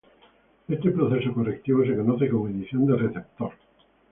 Este proceso correctivo se conoce como edición de receptor.